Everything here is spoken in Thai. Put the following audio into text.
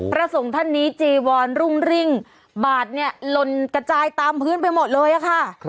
พระสงฆ์ท่านนี้จีวรรุ่งริ่งบาดเนี่ยหล่นกระจายตามพื้นไปหมดเลยค่ะ